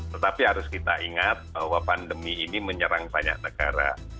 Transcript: tetapi harus kita ingat bahwa pandemi ini menyerang banyak negara